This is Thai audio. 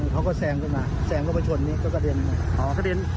เขาก็แซงขึ้นมาแซงเข้าไปชนนี้ก็กระเด็น